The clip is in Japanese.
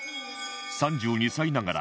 ３２歳ながら